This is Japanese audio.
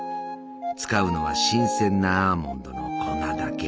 使うのは新鮮なアーモンドの粉だけ。